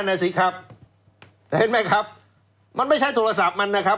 นั่นน่ะสิครับเห็นไหมครับมันไม่ใช้โทรศัพท์มันนะครับ